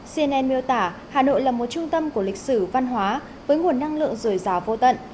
cnn miêu tả hà nội là một trung tâm của lịch sử văn hóa với nguồn năng lượng dồi dào vô tận